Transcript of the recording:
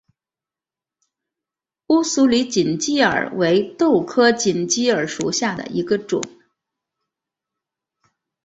乌苏里锦鸡儿为豆科锦鸡儿属下的一个种。